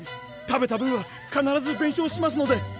食べた分は必ず弁償しますので。